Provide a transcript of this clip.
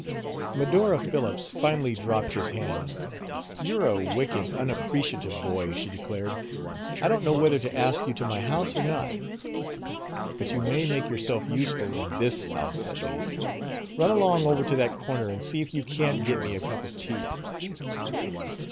Medora Phillips finally dropped his hand. "You're a wicked, unappreciative boy," she declared. "I don't know whether to ask you to my house or not. But you may make yourself useful in this house, at least. Run along over to that corner and see if you can't get me a cup of tea."